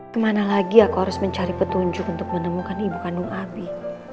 kemana lagi aku harus mencari petunjuk untuk menemukan ibu kandung abi